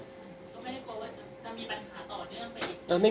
ก็ไม่ได้กลัวว่าจะมีปัญหาต่อเนื่องไปอีก